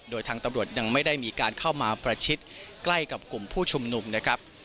โดยทางตำรวจยังไม่ได้มีการเข้ามาประชิดใกล้กับกลุ่มผู้ชุมนุมนะครับ